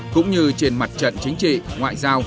cũng như trên mặt trận chính trị